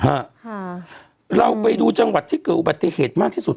ค่ะเราไปดูจังหวัดที่เกิดอุบัติเหตุมากที่สุด